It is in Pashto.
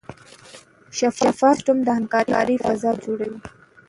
شفاف سیستم د همکارۍ فضا جوړوي.